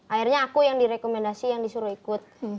akhirnya aku yang direkomendasi yang disuruh ikut